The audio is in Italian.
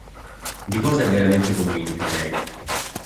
Di cosa è veramente convinta lei?